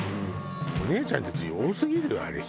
お姉ちゃんたち多すぎるよあれ人。